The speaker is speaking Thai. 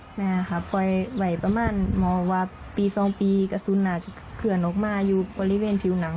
แม่ค่ะปล่อยไหวประมาณหมอว่าปี๒ปีกระสุนอาจจะเขื่อนออกมาอยู่บริเวณผิวหนัง